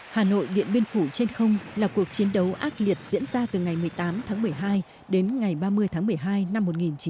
hà nội điện biên phủ trên không là cuộc chiến đấu ác liệt diễn ra từ ngày một mươi tám tháng một mươi hai đến ngày ba mươi tháng một mươi hai năm một nghìn chín trăm bảy mươi